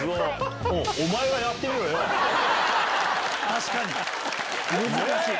確かに難しい！